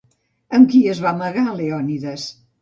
Amb qui es va amagar Leònides?